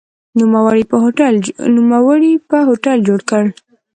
نوموړي په هوټل جوړ کړ.